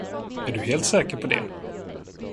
Är du helt säker på det?